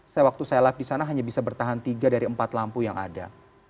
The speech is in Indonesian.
saya waktu saya live di sana hanya bisa bertahan tiga dari empat lampu yang ada